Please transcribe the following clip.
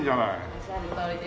おっしゃるとおりです。